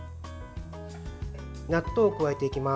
納豆を加えていきます。